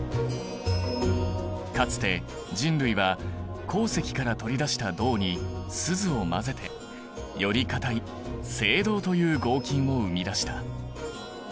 かつて人類は鉱石から取り出した銅にスズを混ぜてより硬い青銅という合金を生み出した。